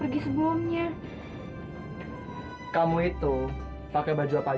dan karena ada banyak duit di si saker dia sangat présent